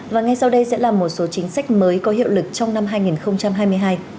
và ngay sau đây sẽ là một số chính sách mới có hiệu lực trong năm hai nghìn hai mươi hai